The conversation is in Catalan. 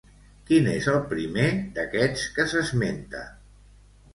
Quin és el primer d'aquests que s'esmenta?